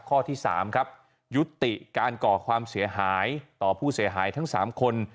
ข้อที่๓ครับยุติการก่อความเสียหายต่อผู้เสียหายทั้ง๓คน